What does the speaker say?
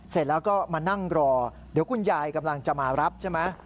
เสร็จแล้วก็มานั่งรอเดี๋ยวคุณยายกำลังจะมารับใช่ไหม